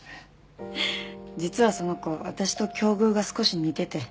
実はその子私と境遇が少し似てて。